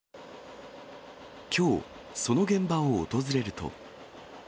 きょう、その現場を訪れると。